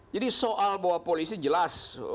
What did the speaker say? jadi soal bahwa polisi jelas